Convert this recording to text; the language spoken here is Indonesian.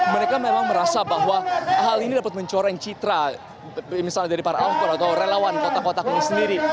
mereka memang merasa bahwa hal ini dapat mencoreng citra misalnya dari para awal atau relawan kota kota sendiri